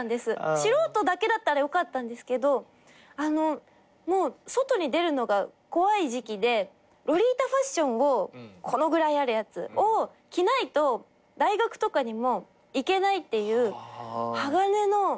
素人だけだったらよかったんですけどもう外に出るのが怖い時期でロリータファッションをこのぐらいあるやつを着ないと大学とかにも行けないっていう鋼の装備をしないと。